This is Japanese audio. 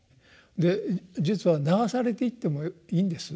で実は流されていってもいいんです。